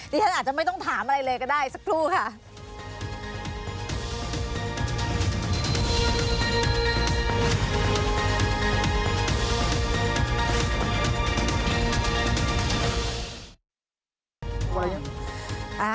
ฉันอาจจะไม่ต้องถามอะไรเลยก็ได้สักครู่ค่ะ